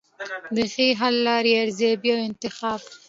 د ښې حل لارې ارزیابي او انتخاب.